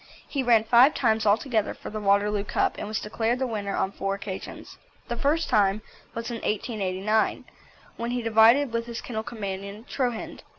He ran five times altogether for the Waterloo Cup, and was declared the winner on four occasions. The first time was in 1889, when he divided with his kennel companion Troughend.